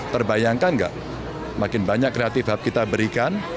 terbayangkan nggak makin banyak kreatif hub kita berikan